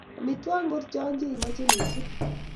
Amitwogik ngorcho che ichame missing'?